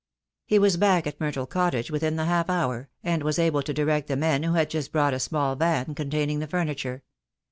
He was back at Myrtle Cottage within the half hour, and was able to direct the men who had just brought a small van containing the furniture.